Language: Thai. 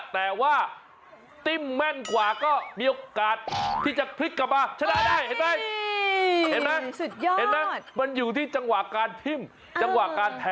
แต่ว่าติ้มแม่นกว่าก็มีโอกาสที่จะพลิกกลับมา